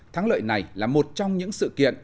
tháng lợi này là một trong những sự kiện